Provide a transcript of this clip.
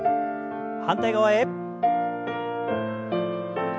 反対側へ。